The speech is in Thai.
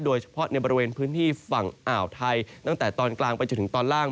โดยเฉพาะในบริเวณพื้นที่ฝั่งอ่าวไทยตั้งแต่ตอนกลางไปจนถึงตอนล่าง